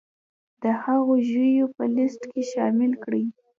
د هغو ژویو په لیست کې شامل کړي